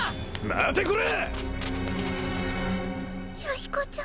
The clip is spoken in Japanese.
待てこら！